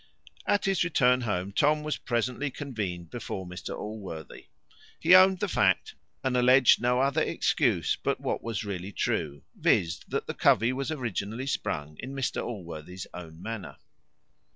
At his return home, Tom was presently convened before Mr Allworthy. He owned the fact, and alledged no other excuse but what was really true, viz., that the covey was originally sprung in Mr Allworthy's own manor.